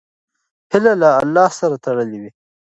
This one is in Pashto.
هیله له الله سره تړلې وي.